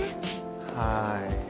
はい。